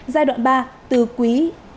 giai đoạn ba từ quý ba hai nghìn hai mươi hai